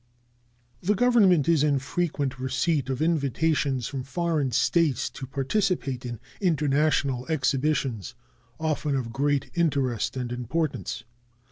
This Government is in frequent receipt of invitations from foreign states to participate in international exhibitions, often of great interest and importance.